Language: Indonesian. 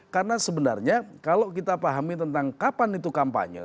karena sebenarnya kalau kita pahami tentang kapan itu kampanye